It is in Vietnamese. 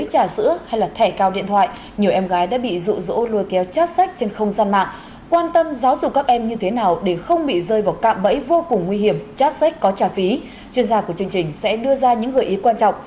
chuyên gia của chương trình sẽ đưa ra những gợi ý quan trọng